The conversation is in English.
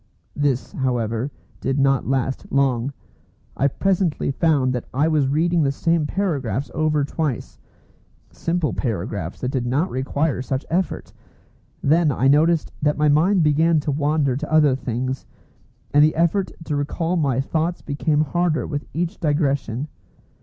This, however, did not last long. I presently found that I was reading the same paragraphs over twice, simple paragraphs that did not require such effort. Then I noticed that my mind began to wander to other things, and the effort to recall my thoughts became harder with each digression.